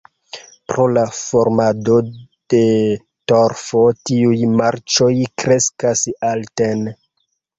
Pro la formado de torfo tiuj marĉoj kreskas alten.